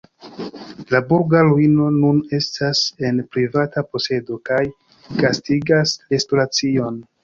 La burga ruino nun estas en privata posedo kaj gastigas restoracion.